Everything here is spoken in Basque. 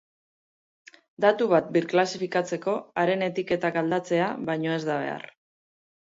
Datu bat birklasifikatzeko haren etiketak aldatzea baino ez da behar.